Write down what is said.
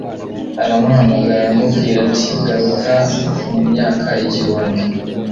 Aramuhamagara aramubwira ati Garuka mu myaka igihumbi